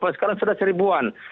sekarang sudah seribuan